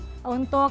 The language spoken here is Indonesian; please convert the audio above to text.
jika terlalu banyak